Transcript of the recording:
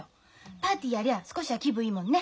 パーティーやりゃあ少しは気分いいもんね。